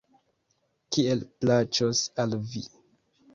Kiel plaĉos al vi.